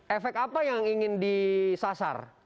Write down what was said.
efek apa yang ingin disasar